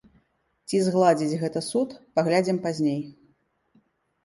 Ці згладзіць гэта суд, паглядзім пазней.